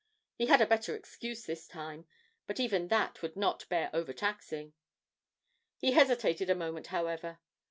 He had a better excuse this time, but even that would not bear overtaxing. He hesitated a moment, however.